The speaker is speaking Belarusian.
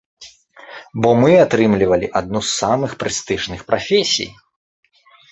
Бо мы атрымлівалі адну з самых прэстыжных прафесій.